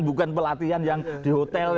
bukan pelatihan yang di hotel